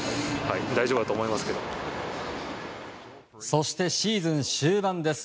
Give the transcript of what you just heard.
そしてシーズン終盤です。